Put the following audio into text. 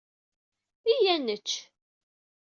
Iyya ad nečč.